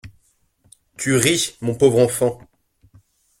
Tu ris, mon pauvre enfant!